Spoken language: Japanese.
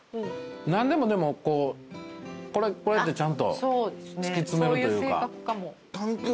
何でもでもこれってちゃんと突き詰めるというか。